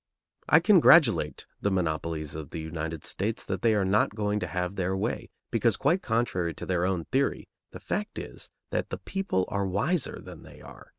I congratulate the monopolies of the United States that they are not going to have their way, because, quite contrary to their own theory, the fact is that the people are wiser than they are.